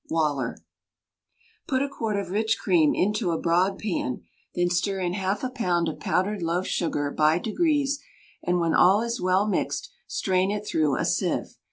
WALLER. Put a quart of rich cream into a broad pan; then stir in half a pound of powdered loaf sugar by degrees, and when all is well mixed, strain it through a sieve.